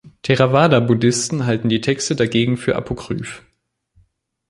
Theravada-Buddhisten halten die Texte dagegen für apokryph.